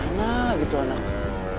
mana lagi tuh anaknya